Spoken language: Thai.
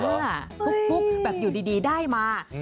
ฟุ๊กแบบอยู่ดีได้มา